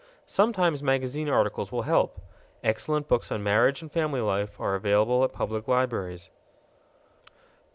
Sometimes magazine articles will help. Excellent books on marriage and family life are available at public libraries.